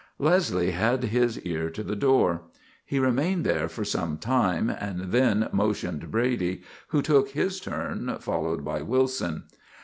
Leslie had his ear to the door. He remained there for some time, and then motioned Brady, who took his turn, followed by Wilson.